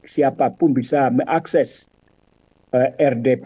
siapapun bisa mengakses rdp